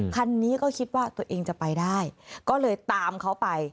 คันนี้ก็คิดว่าตัวเองจะไปได้ก็เลยตามเขาไป